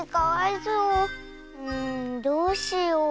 うんどうしよう。